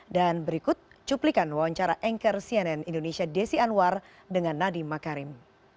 dan berikut cuplikan wawancara anchor cnn indonesia desi anwar dengan nadiem makarim